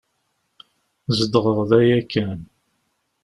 Zedɣeɣ da yakan.